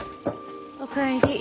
お帰り。